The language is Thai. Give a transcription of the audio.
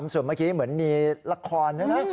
ส่วนเมื่อกี้เหมือนมีละครด้วยนะ